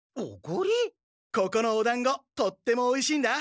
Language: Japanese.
ここのおだんごとってもおいしいんだ。